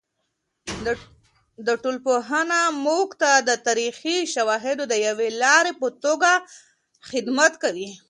د ټولنپوهنه موږ ته د تاریخي شواهدو د یوې لارې په توګه خدمت کوي.